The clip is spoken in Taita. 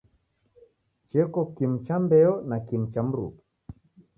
Cheko kimu cha mbeo na kimu cha mruke.